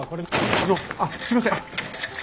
あのあっすいません。